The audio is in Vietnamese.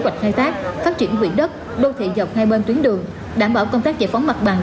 công tác phát triển vị đất đô thị dọc ngay bên tuyến đường đảm bảo công tác giải phóng mặt bằng